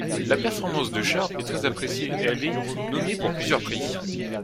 La performance de Sharp est très appréciée et elle est nommée pour plusieurs prix.